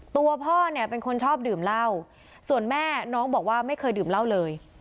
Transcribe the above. ตัวพ่อเนี่ยเป็นคนชอบดื่มเหล้าส่วนแม่น้องบอกว่าไม่เคยดื่มเหล้าเลย